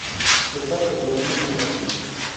شربت د کورنۍ مینه ښيي